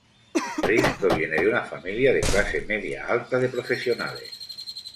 Rhys proviene de una familia de clase media alta de profesionales.